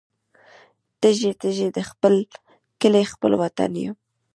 تږي، تږي د خپل کلي خپل وطن یم